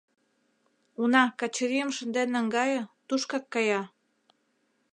Уна, Качырийым шынден наҥгае, тушкак кая!